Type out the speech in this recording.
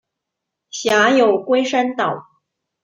辖有龟山岛。